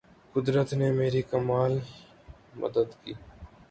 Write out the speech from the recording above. قدرت نے میری کمال مدد کی